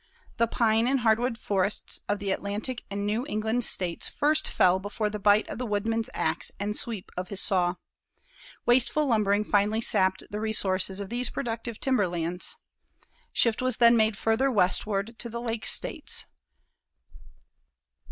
The pine and hardwood forests of the Atlantic and New England States first fell before the bite of the woodman's ax and the sweep of his saw. Wasteful lumbering finally sapped the resources of these productive timberlands. Shift was then made farther westward to the Lake States.